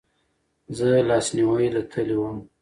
زه لاسنیوې له تلی وم